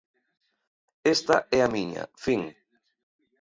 Esta é a miña fin.